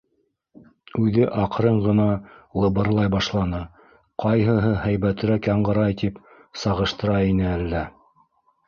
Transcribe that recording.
—Үҙе аҡрын ғына лыбырлай башланы, ҡайһыһы һәйбәтерәк яңғырай тип сағыштыра ине әллә.